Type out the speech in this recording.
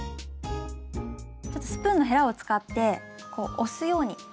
ちょっとスプーンのへらを使ってこう押すように。